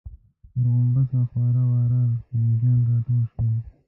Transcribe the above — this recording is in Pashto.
پر غومبسه خواره واره مېږيان راټول شول.